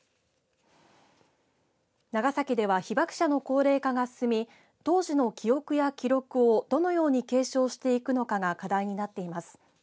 長崎では被爆者の高齢化が進み当時の記憶や記録をどのように継承していくのかが課題になっています。